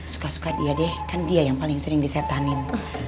suka suka dia deh kan dia yang paling sering disetanin